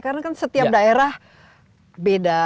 karena kan setiap daerah beda